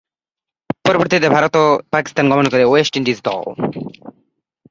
পরবর্তীতে ভারত ও পাকিস্তান গমন করে ওয়েস্ট ইন্ডিজ দল।